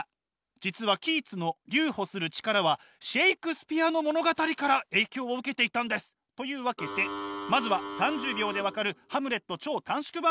実はキーツの留保する力はシェイクスピアの物語から影響を受けていたんです！というわけでまずはご覧ください。